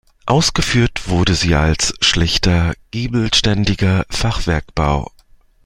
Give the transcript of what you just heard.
Ausgeführt wurde sie als schlichter giebelständiger Fachwerkbau.